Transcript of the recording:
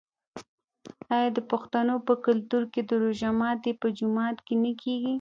آیا د پښتنو په کلتور کې د روژې ماتی په جومات کې نه کیږي؟